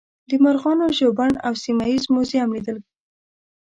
د مرغانو ژوبڼ او سیمه ییز موزیم لیدل.